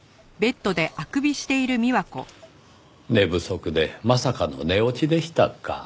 寝不足でまさかの寝落ちでしたか。